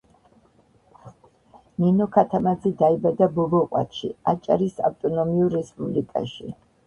ნინო ქათამაძე დაიბადა ბობოყვათში, აჭარის ავტონომიურ რესპუბლიკაში.